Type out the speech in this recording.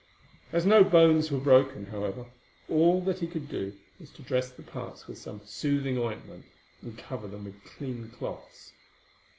As no bones were broken, however, all that he could do was to dress the parts with some soothing ointment and cover them with clean cloths.